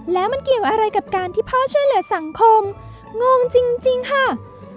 แล้วมันเกี่ยวอะไรกับการที่พ่อช่วยเหลือสังคมงงจริงค่ะ